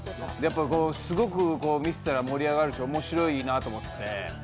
すごく見てたら盛り上がるしおもしろいなと思って。